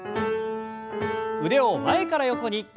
腕を前から横に。